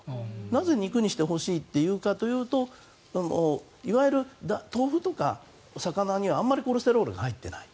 なぜ肉にしてほしいかというといわゆる豆腐とか魚にはあまりコレステロールが入っていない。